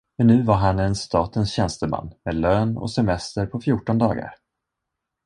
Men nu var han en statens tjänsteman med lön och semester på fjorton dagar.